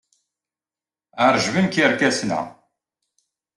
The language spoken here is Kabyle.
Ɛerjben-k yerkasen-a.